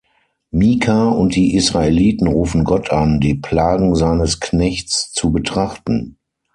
Micah und die Israeliten rufen Gott an, die Plagen seines Knechts zu betrachten.